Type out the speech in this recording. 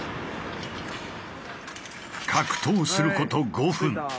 格闘すること５分。